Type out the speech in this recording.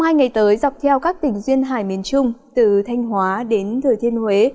trong hai ngày tới dọc theo các tỉnh duyên hải miền trung từ thanh hóa đến thừa thiên huế